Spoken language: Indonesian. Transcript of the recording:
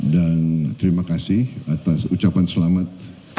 dan terima kasih atas ucapan selamat